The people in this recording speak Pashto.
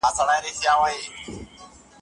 نه مې رخه د تاووس پېژنده